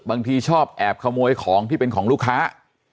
บางทีชอบแอบขโมยของที่เป็นของลูกค้า